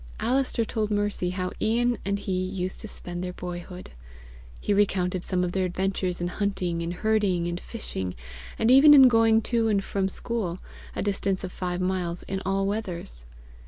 Alister told Mercy how Ian and he used to spend their boyhood. He recounted some of their adventures in hunting and herding and fishing, and even in going to and from school, a distance of five miles, in all weathers.